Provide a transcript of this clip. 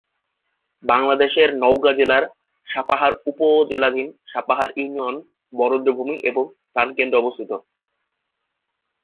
বাংলাদেশের নওগাঁ জেলার সাপাহার উপজেলাধীন সাপাহার ইউনিয়ন বরেন্দ্র ভূমি এর প্রাণকেন্দ্রে অবস্থিত।